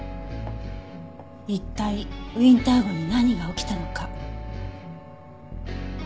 一体ウィンター号に何が起きたのか。